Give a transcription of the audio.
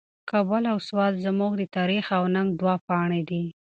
کابل او سوات زموږ د تاریخ او ننګ دوه پاڼې دي.